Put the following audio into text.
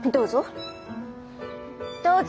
どうぞ。